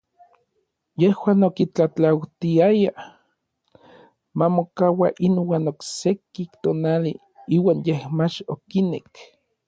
Yejuan okitlatlautiayaj ma mokaua inuan okseki tonali, iuan yej mach okinek.